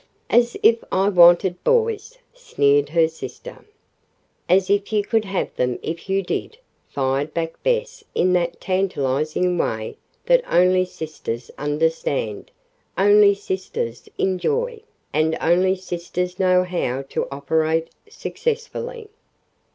"As if I wanted boys!" sneered her sister. "As if you could have them if you did!" fired back Bess in that tantalizing way that only sisters understand, only sisters enjoy, and only sisters know how to operate successfully.